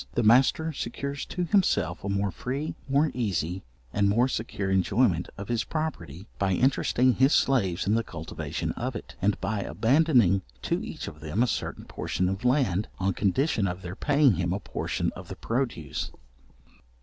The master secures to himself a more free, more easy, and more secure enjoyment of his property, by interesting his slaves in the cultivation of it, and by abandoning to each of them a certain portion of land, on condition of their paying him a portion of the produce.